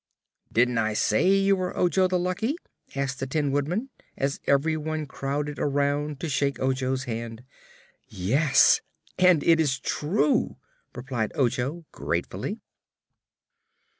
"Didn't I say you were Ojo the Lucky?" asked the Tin Woodman, as everyone crowded around to shake Ojo's hand. "Yes; and it is true!" replied Ojo, gratefully.